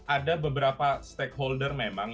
ada beberapa stakeholder memang